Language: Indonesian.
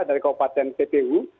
dari kabupaten kpu